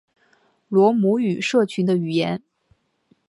罗姆语社群的语言。